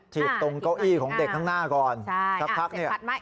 ตรงเก้าอี้ของเด็กข้างหน้าก่อนสักพักเนี่ย